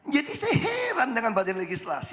jadi saya heran dengan badan legislasi